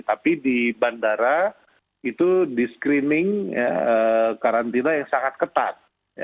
tapi di bandara itu di screening karantina yang sangat ketat